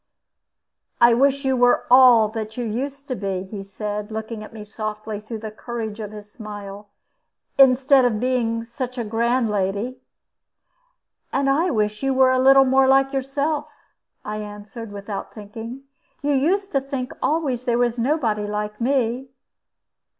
"I wish you were at all as you used to be," he said, looking at me softly through the courage of his smile, "instead of being such a grand lady." "And I wish you were a little more like yourself," I answered, without thinking; "you used to think always there was nobody like me."